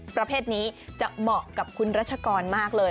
ประเภทนี้จะเหมาะกับคุณรัชกรมากเลย